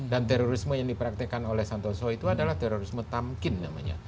dan terorisme yang dipraktekan oleh santoso itu adalah terorisme tamkin namanya